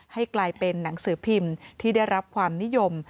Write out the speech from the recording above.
ให้กลายเป็นหนังสือพิมพ์ที่ได้รับความนิยม